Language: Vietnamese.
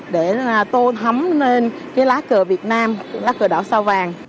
để tôn thắm lên cái lá cờ việt nam lá cờ đảo sao vàng